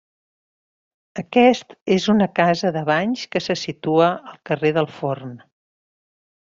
Aquest és una casa de banys que se situa al carrer del Forn.